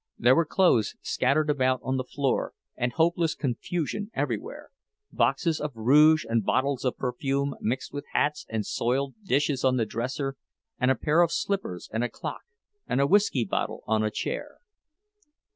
There were clothes scattered about on the floor, and hopeless confusion everywhere—boxes of rouge and bottles of perfume mixed with hats and soiled dishes on the dresser, and a pair of slippers and a clock and a whisky bottle on a chair.